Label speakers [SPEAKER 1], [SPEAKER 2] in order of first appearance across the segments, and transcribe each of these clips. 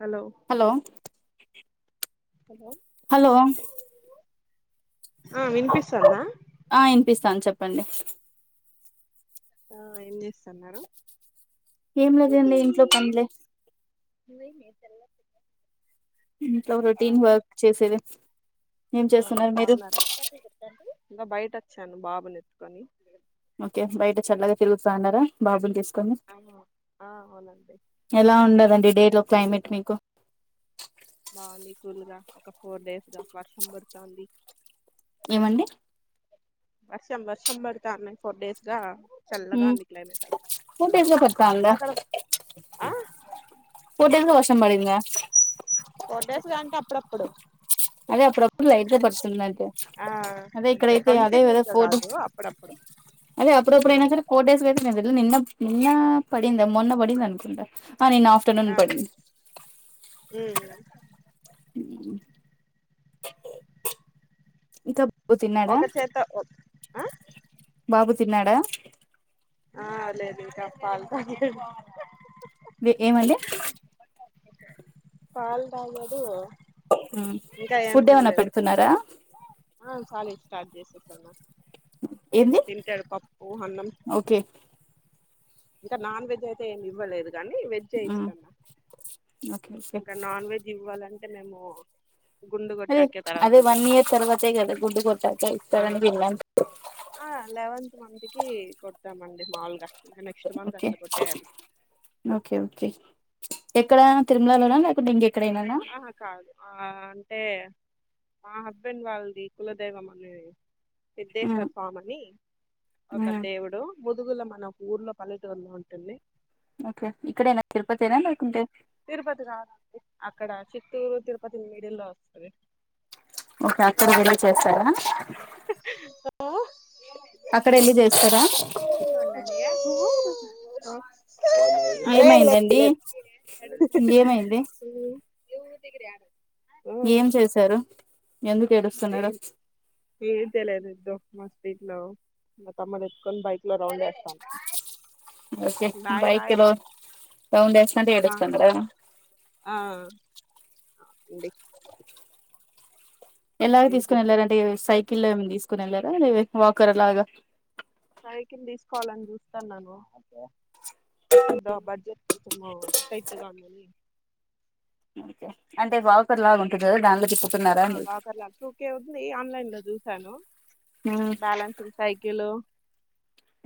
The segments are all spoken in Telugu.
[SPEAKER 1] హలో హలో
[SPEAKER 2] హలో
[SPEAKER 1] ఆ వినిపిస్తదా
[SPEAKER 2] ఆ వినిపిస్తాను చెప్పండి
[SPEAKER 1] ఆ ఏం చేస్తారు ఏం చేస్తారు
[SPEAKER 2] ఏం
[SPEAKER 1] గుడ్
[SPEAKER 2] లేదండి ఇంట్లో
[SPEAKER 1] ఈవెనింగ్
[SPEAKER 2] పనులే ఇంట్లో
[SPEAKER 1] ఆ
[SPEAKER 2] రుటీన్ వర్క్ చేసేది ఏం
[SPEAKER 1] ఆ
[SPEAKER 2] చేస్తున్నారు మీరు
[SPEAKER 1] బాగున్నారా ఇంకా బయట వచ్చాను బాబు ఎత్తుకొని
[SPEAKER 2] ఓకే బయట చల్లగా తిరుగుతా అన్నారా బాబుని తీసుకొని
[SPEAKER 1] ఆ అవునండి
[SPEAKER 2] ఎలా ఉండదండి డే టైం క్లైమేట్ మీకు
[SPEAKER 1] బాగుంది కూల్ గా ఒక ఫోర్ డేస్ గా వర్షం పడుతుంది
[SPEAKER 2] ఏమండి
[SPEAKER 1] వర్షం వర్షం పడతాంది ఫోర్ డేస్ గా చల్లగా ఉంది క్లైమేట్ అంత
[SPEAKER 2] ఫోర్ డేస్ లో పడతాందా
[SPEAKER 1] ఆక్కడ ఆ
[SPEAKER 2] పొద్దంతా వర్షం పడింద
[SPEAKER 1] ఫోర్ డేస్ గా అంటే అప్పుడప్పుడు
[SPEAKER 2] అదే అప్పుడుప్పుడు లైట్ గా పడుతుంది అంతే
[SPEAKER 1] ఆ అంతే కంటిన్యూస్ గా కాదు అప్పుడప్పుడు
[SPEAKER 2] అదే
[SPEAKER 1] ఉ
[SPEAKER 2] అప్పుడప్పుడ ఫోర్ డేస్ గా ఏడ నిన్న నిన్న పడిందా మొన్న పడింది అనుకుంటా ఆ నిన్న ఆఫ్టర్నూన్
[SPEAKER 1] ఆ
[SPEAKER 2] పడింది
[SPEAKER 1] ఉ
[SPEAKER 2] ఉ హు ఇంకా బాబు తిన్నాడా
[SPEAKER 1] ఒక చేత ఆ
[SPEAKER 2] బాబు తిన్నాడా
[SPEAKER 1] ఆ లేదు ఇంకా పాలు తాగాడు
[SPEAKER 2] మీకు ఏమైంది
[SPEAKER 1] పాలు తాగాడు ఇంకా ఏం
[SPEAKER 2] ఫుడ్ ఏమన్నా
[SPEAKER 1] తినలేదు
[SPEAKER 2] పెడుతున్నారా
[SPEAKER 1] ఆ సాలిడ్ స్టార్ట్ చేసిండు
[SPEAKER 2] ఏంది
[SPEAKER 1] తింటారు పప్పు అన్నం
[SPEAKER 2] ఓకే
[SPEAKER 1] ఇంకా నాన్ వెజ్ అయితే ఏమి ఇవ్వలేదు కానీ వెజ్
[SPEAKER 2] మ్మ్
[SPEAKER 1] ఇస్తా
[SPEAKER 2] ఓకే ఓకే
[SPEAKER 1] ఇంకా నాన్ వెజ్ ఇవ్వాలంటే మేము గుండు
[SPEAKER 2] అదే
[SPEAKER 1] కొట్టాకే తర్వాత
[SPEAKER 2] అదే వన్
[SPEAKER 1] ఇవ్వాలి
[SPEAKER 2] ఇయర్ తర్వాతే కదా గుడ్డు కొట్టాక
[SPEAKER 1] ఆ
[SPEAKER 2] ఇస్తారని విన్నాను
[SPEAKER 1] కొంత మందికి కొడతామండి మామూలు గా
[SPEAKER 2] ఓకే ఓకే ఓకే ఎక్కడ తిరుమలలోనా లేకుంటే ఇంకెక్కడైనానా
[SPEAKER 1] ఆ కాదు ఆ అంటే మా హస్బెండ్ వాళ్ళది కులదైవం అనేది సిద్దేశ్వర
[SPEAKER 2] మ్మ్
[SPEAKER 1] స్వామిని ఒక
[SPEAKER 2] మ్మ్
[SPEAKER 1] దేవుడు ముదుగుల మన ఊళ్లో పల్లెటూర్లో ఊర్లో ఉంటుంది
[SPEAKER 2] ఓకే ఇక్కడేనా తిరుపతి అయినా లేకుంటే
[SPEAKER 1] తిరుపతి కాదండి అక్కడ చిత్తూరు తిరుపతి మడిల్ లో వస్తది
[SPEAKER 2] ఓకే అక్కడ వెళ్లి చేస్తారా
[SPEAKER 1] ఆ
[SPEAKER 2] అక్కడ వెళ్ళి చేస్తారా
[SPEAKER 1] పిల్లల అరుపులు ఆ
[SPEAKER 2] ఏమైందండీ ఏమైంది
[SPEAKER 1] ఉ ఏ ఊరి దగ్గర
[SPEAKER 2] ఏం చేశారు ఎందుకు ఏడుస్తున్నాడు
[SPEAKER 1] ఏం తేలే ఫస్ట్ మంత్ సీట్లు మా తమ్ముడు ఎత్తుకొని బైక్లో రౌండ్ చేస్తున్నా
[SPEAKER 2] ఓకే బైక్ లో రౌండ్ ఏస్తాంటే
[SPEAKER 1] ఆ
[SPEAKER 2] ఏడుస్తున్నాడా
[SPEAKER 1] ఆ అండి
[SPEAKER 2] ఎలాగ
[SPEAKER 1] ఇంకేంటి
[SPEAKER 2] తీసుకోని ఎళ్లారు అంటే సైకిలో ఎం తీసు కొనేళ్ళారా లే వాకర్ అలాగా
[SPEAKER 1] సైకిల్ తీసుకోవాలని చూస్తానను ద బడ్జెట్ కొంచము టైట్‌గా ఉందని
[SPEAKER 2] ఓకే అంటే వాకర్లాగా ఉంటది కదా దానిలో తిప్పు
[SPEAKER 1] ఆ వాకర్లా టూకే ఉంది ఆన్లైన్లో చూశాను
[SPEAKER 2] ఉమ్
[SPEAKER 1] బ్యాలెన్స్డ్ సైకిలు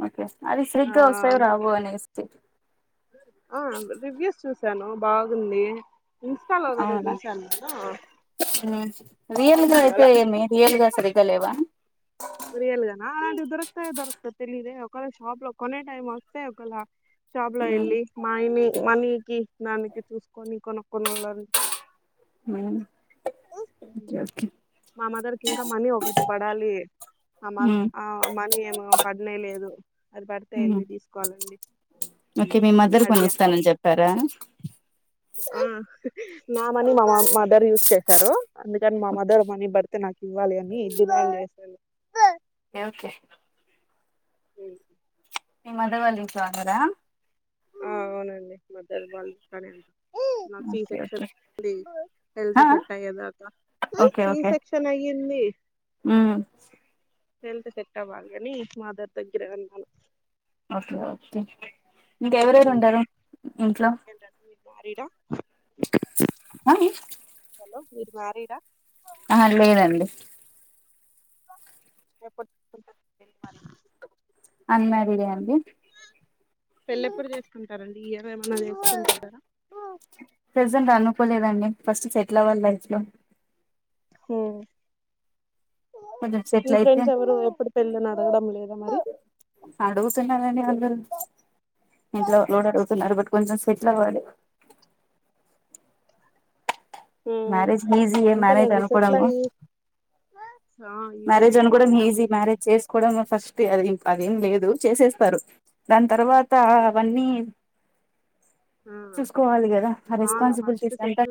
[SPEAKER 2] ఓకే అది
[SPEAKER 1] ఆ
[SPEAKER 2] సరిగ్గా వస్తాయో రావో అనేసి
[SPEAKER 1] ఆ రివ్యూస్ చు శాను బాగుంది ఇన్స్టాలో వేరే
[SPEAKER 2] అవునా
[SPEAKER 1] చూశా నేను
[SPEAKER 2] రియల్గా
[SPEAKER 1] దానివల్ల
[SPEAKER 2] అయితే ఏమి రియల్గా సరిగా లేవా
[SPEAKER 1] రియల్గనా అలాంటివి దొరుకుతాయే దొరుకదో తెలీదే ఒకవేళ షాప్లో కొనే టైం వస్తే ఒకేళ షాప్లో
[SPEAKER 2] ఉమ్
[SPEAKER 1] ఎళ్లి మాఆయని మనీకి దానికి చూసుకొని కొనుక్కొనిళని
[SPEAKER 2] ఉమ్మ్ ఓకే ఓకే
[SPEAKER 1] మా మదర్ కి ఇంకా మనీ ఒకటి పడాలి ఆ మ
[SPEAKER 2] ఉమ్
[SPEAKER 1] ఆ మనీ ఏమో పడ్నేలేదు
[SPEAKER 2] ఉమ్మ్ నీకీ మీ మదర్
[SPEAKER 1] అడిగా
[SPEAKER 2] కొన్నిస్తానని చెప్పారా
[SPEAKER 1] ఆ నా మనీ మా మదర్ యూస్ చేశారు అందుకని మా
[SPEAKER 2] ఓకే
[SPEAKER 1] మదర్ మనీ బడ్ తే నాకు ఇవ్వాలి అని డిమాండ్ చేశా
[SPEAKER 2] ఎఓకే
[SPEAKER 1] ఉమ్మ్
[SPEAKER 2] మీ మదర్ వాళ్ళ ఇంట్లో ఉన్నారా
[SPEAKER 1] ఆ అవునండి మదర్ వాళ్ళు ఇంట్లోనే ఉన్నా నాది సీ
[SPEAKER 2] ఓకే
[SPEAKER 1] సెక్షన్
[SPEAKER 2] ఓకే
[SPEAKER 1] డి హెల్త్ సెట్ అయ్యేదాకా సి సెక్షన్ అయ్యింది
[SPEAKER 2] ఉమ్మ్
[SPEAKER 1] హెల్త్ సెట్ అవ్వాలని మాదర్ దగ్గరే ఉన్నాను
[SPEAKER 2] ఓకే ఓకే ఇంకెవరెవరు ఉంటారు ఇంట్లో
[SPEAKER 1] మారిడా
[SPEAKER 2] అ
[SPEAKER 1] హలో మీరు మ్యారీడ్
[SPEAKER 2] ఆహా లేదండి
[SPEAKER 1] [unintelligible]
[SPEAKER 2] అన్ మ్యారీడే అండి
[SPEAKER 1] పెళ్ళేప్పుడు చేసుకుంటారండి ఈ ఇయర్ ఏమన్నా చేసుకుంటారా
[SPEAKER 2] ప్రజెంట్ అనుకోలేదండి ఫస్ట్ సెటిల్ అవ్వాలి లై ఫ్ లో
[SPEAKER 1] ఓ
[SPEAKER 2] కొంచెం
[SPEAKER 1] మీఫ్రెండ్స్ ఎవరు ఎప్పుడు పెళ్ళని అడగడం లేదా మరి
[SPEAKER 2] అడుగుతున్నారంండి అందరూ ఇంట్లో వాళ్ళు అడుగుతున్నారు గుడా కొంచెం సేట్లవ్వాలి
[SPEAKER 1] మ్మ్
[SPEAKER 2] మరేజ్ ఈజీఎ మ్యారేజ్
[SPEAKER 1] అంతేలేండి సెటిల్
[SPEAKER 2] అనుకోడము
[SPEAKER 1] అయ్యి ఆ
[SPEAKER 2] మ్యారేజ్
[SPEAKER 1] ఇదినే
[SPEAKER 2] అనుకోవడం
[SPEAKER 1] అడగడం
[SPEAKER 2] ఈజీ
[SPEAKER 1] ఇది
[SPEAKER 2] మ్యారేజ్ చేసుకోవడము ఫస్ట్ అది అదేం లేదు చేసేస్తారు దాని తర్వాత అవన్నీ
[SPEAKER 1] ఆ
[SPEAKER 2] చూసుకోవాలి కదా ఆ రెస్పాన్సిబిలిటీస్ అంతా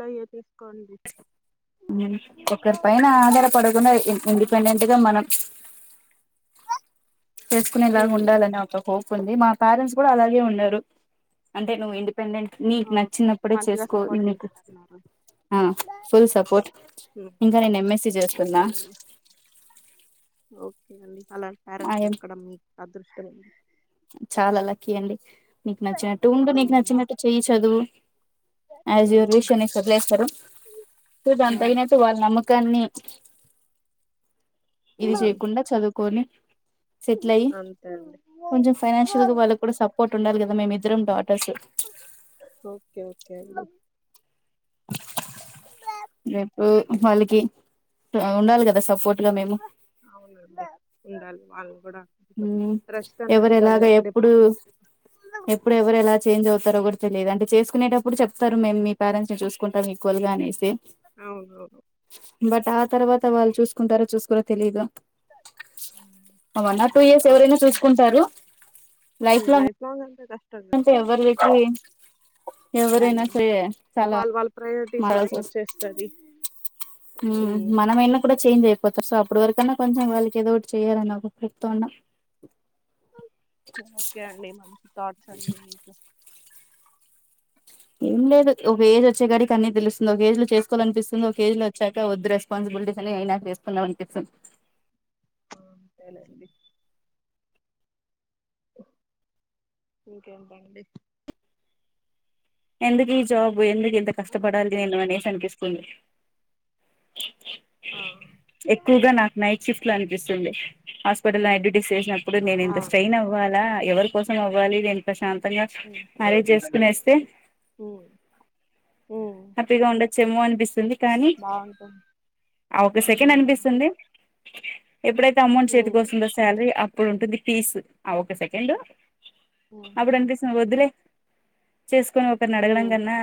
[SPEAKER 1] అవునండి
[SPEAKER 2] ఒకరి పైన ఆధారపడకుండా ఇండిపెండెంట్గా మనం చేసుకునే ఇలాగ
[SPEAKER 1] మ్మ్
[SPEAKER 2] ఉండాలని ఒక హోప్ ంది మా పేరెంట్స్ కూడా అలాగే ఉన్నారు అంటే నువ్వు ఇందు పెండెంట్ నీకు
[SPEAKER 1] ఓకే
[SPEAKER 2] నచ్చినప్పుడే
[SPEAKER 1] మంచిగా
[SPEAKER 2] చేస్కో
[SPEAKER 1] సపోర్ట్
[SPEAKER 2] ని
[SPEAKER 1] చేస్తన్నారు
[SPEAKER 2] ఆ ఫుల్ సపోర్ట్
[SPEAKER 1] ఉమ్
[SPEAKER 2] ఇంకా నేను ఎం యస్ సి చేస్తున్నా
[SPEAKER 1] ఓకే అండి ఓకే అండి అలాంటి
[SPEAKER 2] ఐ
[SPEAKER 1] పేరెంట్స్
[SPEAKER 2] యామ్
[SPEAKER 1] దొర్కాడం మీకు అదృష్టం ఉంది
[SPEAKER 2] చాలా లక్కీ అండి నీకు నచ్చినట్టు ఉండ నీకు నచ్చినట్టు చెయి చదువు ఎస్ యూర్
[SPEAKER 1] మ్మ్
[SPEAKER 2] విష్ అని వదిలేస్తారు సో
[SPEAKER 1] మ్మ్
[SPEAKER 2] ఎంతైనా వాళ్ళ నమ్మక కాన్ని ఇది
[SPEAKER 1] మ్మ్
[SPEAKER 2] చేయకుండా చదువుకొని సెటిల్ అయ్యి
[SPEAKER 1] అంతే అండి
[SPEAKER 2] కొంచెం ఫైనాన్షియల్ గా వాళ్ళకి కూడా సపోర్ట్ ఉండాలి కదా మేమే
[SPEAKER 1] ఓకే ఓకే అ
[SPEAKER 2] రేపు వాళ్ళకి ఉండాలి కదా సపోర్ట్గా మేము
[SPEAKER 1] అవునండి ఉండాలి వాళ్ళు కూడా
[SPEAKER 2] ఉ
[SPEAKER 1] కొంచెం రెస్ట్ అనేది
[SPEAKER 2] ఎవరు
[SPEAKER 1] ఉండాలి
[SPEAKER 2] ఎలాగ
[SPEAKER 1] కదండి
[SPEAKER 2] ఎప్పుడు
[SPEAKER 1] పేరెంట్స్.
[SPEAKER 2] ఎప్పుడు ఎవరు ఎలా చేంజ్ అవుతారో కూడా లేదు అంటే చేసుకునేటప్పుడు చెప్తారు మేము మీ పేరెంట్స్ ని చూసుకుంటాం ఈక్వల్ గా అనేసి
[SPEAKER 1] అవునవును
[SPEAKER 2] బట్ ఆ తర్వాత వాళ్ళు చూసుకుంటారో చూసుకోర తెలిదు గ అవ్అన్న ఏస్ ఎవరైనా చూసుకుంటారు
[SPEAKER 1] ఊ లైఫ్లాంగ్ అంతే గా
[SPEAKER 2] అంతేగా ఎవరు వచ్చిన ఏం ఎవరైనా
[SPEAKER 1] ఉమ్,
[SPEAKER 2] సరే చాలా
[SPEAKER 1] వాళ్ళ వాళ్ళ ప్రయారిటీస్
[SPEAKER 2] మారాల్సి
[SPEAKER 1] వాళ్ళకి
[SPEAKER 2] వస్తుంది
[SPEAKER 1] వచ్చేస్తది
[SPEAKER 2] హమ్ మనము వున్నప్పుడే చేంజ్ అయిపోతారు సో అప్పటి వరకన్నా కొంచెం వాళ్ళకి ఏదో ఒకటి చేయాలని చెప్తన్నా
[SPEAKER 1] ఓకే అండి మంచి థాట్స్ అండి మీకు
[SPEAKER 2] ఏం లేదు ఓ వేరు వచ్చేగాడికి అన్నీ తెలుస్తుంది ఒక ఏజ్ లో చేస్కోవలనిపిస్తుంది ఒక ఏజ్ లో వచ్చాక వద్దు రెస్పాన్సిబిలిటీస్ అని అయినా చేసుకుందం అనిపిస్తుంది
[SPEAKER 1] అంతేలేండి ఇకేంటండి
[SPEAKER 2] ఎందుకు ఈ జాబ్ ఎందుకు ఇంత
[SPEAKER 1] ఆ,
[SPEAKER 2] కష్టపడాలి
[SPEAKER 1] హలో
[SPEAKER 2] నేను అనేసి అనిపిస్తుంది
[SPEAKER 1] ఆ
[SPEAKER 2] ఎక్కువగా నాకు నైట్ షిఫ్ట్ లో కనిపిస్తుంది హాస్పిటల్ లో నైట్ డ్యూటీస్ చేసినప్పుడు నేను
[SPEAKER 1] ఆ,
[SPEAKER 2] ఇంత స్ట్రైయిన్ అవ్ ఇవ్వాలా ఎవరి కోసం అవ్వాలి నేను ప్రశాంతంగా
[SPEAKER 1] ఉమ్,
[SPEAKER 2] మ్యారేజ్ చేసుకుని వస్తే
[SPEAKER 1] ఉమ్ ఉమ్,
[SPEAKER 2] హ్యాపీగా ఉండొచ్చమో అనిపిస్తుంది కానీ
[SPEAKER 1] బాగుంటుంది
[SPEAKER 2] ఆ ఒక సెకండ్
[SPEAKER 1] ఉమ్,
[SPEAKER 2] అనిపిస్తుంది ఎప్పుడైతే అమౌంట్ చేతికి
[SPEAKER 1] ఉమ్,
[SPEAKER 2] వస్తుందో శాలరీ అప్పుడు ఉంటుంది ఫీస్ ఆ ఒక సెకండ్
[SPEAKER 1] ఉమ్,
[SPEAKER 2] అప్పుడు అనిపిస్తుది వద్దులే చేసుకొని ఒకరిని అడగడం
[SPEAKER 1] ఉమ్,
[SPEAKER 2] కన్నా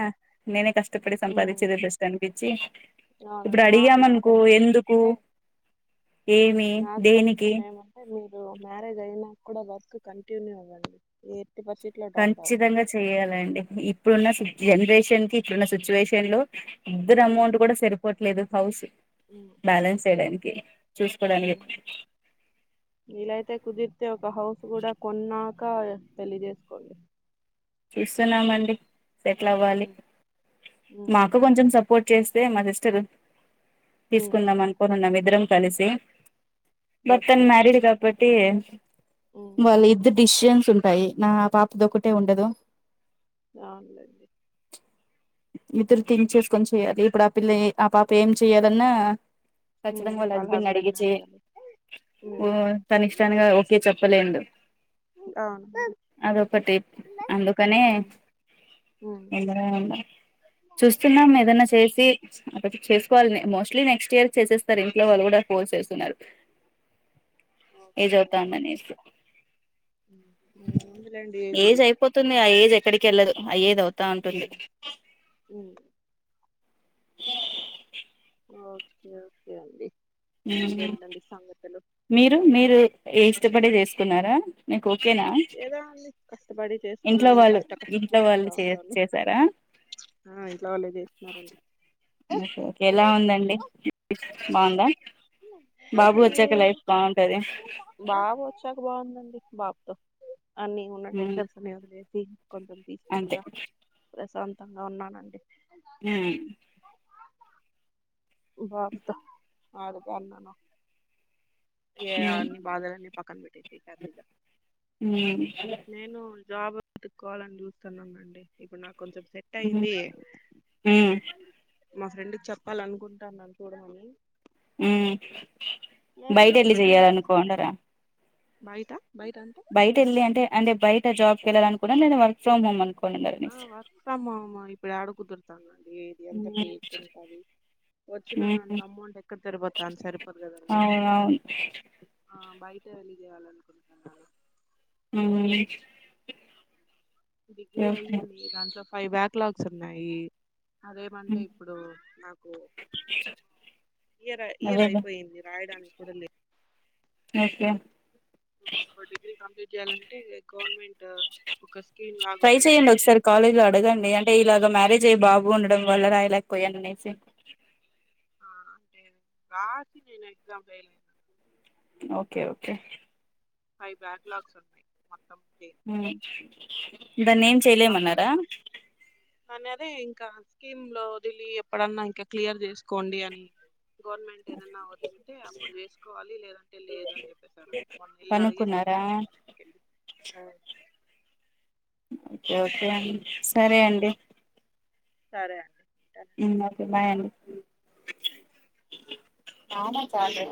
[SPEAKER 2] నేనే కష్ట
[SPEAKER 1] ఉమ్.
[SPEAKER 2] సంపాదించేద బేష్ట అనిపిచ్చి ఇప్పుడు
[SPEAKER 1] అవునండి నా నా
[SPEAKER 2] అడిగామనుకో ఎందుకు
[SPEAKER 1] తగ్గిపోవాలంటే
[SPEAKER 2] ఏమి
[SPEAKER 1] నా
[SPEAKER 2] దేనికి
[SPEAKER 1] సజెషన్ ఏమంటే మీరు మ్యారేజ్ అయినా కూడా వర్క్ కంటిన్యూ అవ్వండి పరిస్థితిలో డ్రాప్
[SPEAKER 2] ఖచ్చితంగా
[SPEAKER 1] అవ్వకుండా
[SPEAKER 2] చెయాలండి ఇప్పుడున్న జనరేషన్ కి ఇప్పుడున్న సిచ్యువేషన్ లో ఇద్దరు అమౌంట్ కూడా సరిపోవట్లేదు హౌస్ బ్యాలన్స్ చేయడానికి చూసుకోడానికి
[SPEAKER 1] అతే ఒక హౌస్ కూడా కొన్నాక పెళ్లి చేేసుకోండి
[SPEAKER 2] చూస్తున్నామండి సెటిల్ అవ్వాలి
[SPEAKER 1] ఉమ్, ఉమ్,
[SPEAKER 2] మాకు కొంచెం స సపోర్ట్ చేస్తే మా సిస్టర్
[SPEAKER 1] ఉమ్,
[SPEAKER 2] తీసుకుందాం అనుకుంటన్నాం మేము ఇద్దరం కలిసి బట్
[SPEAKER 1] ఓకే
[SPEAKER 2] తాను మ్యారీడ్
[SPEAKER 1] ఓకే
[SPEAKER 2] కాబట్టి
[SPEAKER 1] ఉమ్,
[SPEAKER 2] వాళ్ళ ఇద్ద డిషన్ ఉంటాయి నా పాప దక్కటే ఉండదు
[SPEAKER 1] అవును
[SPEAKER 2] ఇద్దరు తింక్ చేసుకొని చెయాలి ఇప్పుడు ఆ పిల్ల ఆ పాప ఏం చెయాలన్నా
[SPEAKER 1] ఉమ్,
[SPEAKER 2] ఖచ్చితంగా వాళ్ళ హాస్బేండ్ అడిగి
[SPEAKER 1] హస్బెండ్ని
[SPEAKER 2] చే
[SPEAKER 1] అడగాలి
[SPEAKER 2] ఓ
[SPEAKER 1] ఉమ్,
[SPEAKER 2] తన ఇష్టానిగా ఓకే చెప్పలేదు
[SPEAKER 1] అవును
[SPEAKER 2] అదొకటి అందుకనే
[SPEAKER 1] ఉమ్, ఉమ్.
[SPEAKER 2] ఇద్దర్నా చూస్తున్నాం ఏదన్నా చేసి చేసుకోవాలిని మోస్ట్లీ నెక్స్ట్ ఇయర్ చేసేస్తారు ఇంట్లో వాళ్ళు కూడా ఫోర్స్ చేస్తున్నారు ఏజ్
[SPEAKER 1] ఓకే ఓకే
[SPEAKER 2] అవుతాందనేసి
[SPEAKER 1] ఏముందిలేండి
[SPEAKER 2] పోతుందిగా ఏజ్ ఎక్కడికి వెళ్ళదు అ ఏజ్ అవుతా ఉంటుంది
[SPEAKER 1] ఉమ్, ఉమ్, ఓకే ఓకే అండి ఇంకేంటండి సంగతులు
[SPEAKER 2] మీరు మీరు ఇష్టపడే చేసుకున్నారా ఓకేనా
[SPEAKER 1] ఏదో అండి కష్టపడి
[SPEAKER 2] ఇంట్లో
[SPEAKER 1] చేసుకున్నాను
[SPEAKER 2] వాళ్ళు
[SPEAKER 1] కష్ట
[SPEAKER 2] ఇంట్లో వాళ్ళు
[SPEAKER 1] కష్టాలుగా
[SPEAKER 2] చే
[SPEAKER 1] ఉండాను
[SPEAKER 2] చేసారా
[SPEAKER 1] ఆ ఇంట్లో వాళ్ళే చేస్తున్నారండి
[SPEAKER 2] ఎలా ఉందండి బాగుందా బాబు
[SPEAKER 1] ఏ
[SPEAKER 2] వచ్చాక లైఫ్ బాగుంటది
[SPEAKER 1] చా బాగుందండి బాబుతో అన్ని ఉన్న
[SPEAKER 2] ఉమ్
[SPEAKER 1] టెన్సన్స్ కొంచెం పీస్ఫుల్
[SPEAKER 2] అంతే
[SPEAKER 1] గా ప్రశాంత ఉతంగా ఉన్నానండి
[SPEAKER 2] ఉమ్
[SPEAKER 1] బాబుతో ఆడుకోవాలనా ఏ
[SPEAKER 2] ఉమ్
[SPEAKER 1] అన్ని భాదలు అన్ని పక్కన పెట్టేసి హ్యాపీగా నేను
[SPEAKER 2] ఉ
[SPEAKER 1] జాబ్ ఎతుకోవాలని చూస్తున్నానుండి ఇప్పుడు నాకు కొంచెం సెట్
[SPEAKER 2] ఉమ్
[SPEAKER 1] అయింది
[SPEAKER 2] ఉమ్
[SPEAKER 1] మా ఫ్రెండ్ కి చెప్పాలనుకుంటున్నాను చూడమని
[SPEAKER 2] ఉ
[SPEAKER 1] మరి
[SPEAKER 2] బయట వెళ్ళి
[SPEAKER 1] డిగ్రీలో
[SPEAKER 2] చెయాలనుకోండరా
[SPEAKER 1] బయట బయట అంటే
[SPEAKER 2] బట వెళ్ళి అంటేంటే బయట జాబ్కి వెళ్లనుకున్న నేను వర్క్ ఫ్రమ్ హోమ్ అనుకున్నాను
[SPEAKER 1] ఆ వర్క్ ఫ్రొం హౌస్ ఇప్పుడు ఏడ కుదురుతాన అండి ఇది అంతా
[SPEAKER 2] మీరు
[SPEAKER 1] ఫేక్ ఉంటదీ వచ్చినా దాంట్లో అమౌంట్ ఎక్కడ తరిపోతా అని సరిపోతదండి
[SPEAKER 2] అవునవును
[SPEAKER 1] బయట వెళ్లి చేయాలనుకుంటున్నా
[SPEAKER 2] ఆ
[SPEAKER 1] డిగ్రీ అయ్యింది దాంట్లో ఫైవ్ బ్యాక్ లాగ్స్ ఉన్నాయి అదేమంటే ఇప్పుడు నాకు ఇయర్ ఇయర్
[SPEAKER 2] అదేలే
[SPEAKER 1] అయిపోయింది రాయడానికి కూడా లేదు
[SPEAKER 2] అయ్యో
[SPEAKER 1] మా డిగ్రీ కంప్లీట్ చేయాలంటే గవర్నమెంట్ ఒక స్కీమ్ లాగా
[SPEAKER 2] ట్రై చెయడి ఒకసారి
[SPEAKER 1] వదలాలి
[SPEAKER 2] కాలేజ్ లో అడగండి అంటే ఇలాగా మ్యారేజ్ అయ్యి బాబు ఉండడం వల్ల రాయలేకపోయా అనేసి
[SPEAKER 1] ఆ అంటే రాసి నేను ఎక్సమ్ ఫెయిల్ అయినా
[SPEAKER 2] okay okay
[SPEAKER 1] five backlogs ఉన్నాయి మొత్తం చేసి.
[SPEAKER 2] దాన్ని
[SPEAKER 1] హ్మ్.
[SPEAKER 2] ఏం చేయలేమన్నారా
[SPEAKER 1] అనే అదే ఇంకా స్కీమ్ లో దిలీ ఎప్పుడన్నా ఇంకా క్లియర్ చేసుకోండి అని గవర్నమెంట్ ఏదన్న వదిలితే అప్పుడు చేసుకోవాలి లేదంటే లేదు అని చెప్పేశారు అంట మొన్న ఎలా అడుగే
[SPEAKER 2] కనుక్కున్నారా
[SPEAKER 1] [unintelligible]
[SPEAKER 2] ఓకే ఓకే అండి సరే అండి
[SPEAKER 1] సరే అండి ఉంటానండి.
[SPEAKER 2] ఓకే బాయ్ అండి [unintelligible] చాలే